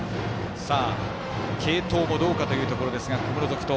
継投もどうかというところですが小室続投。